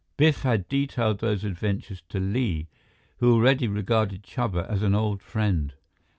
Biff had detailed those adventures to Li, who already regarded Chuba as an old friend.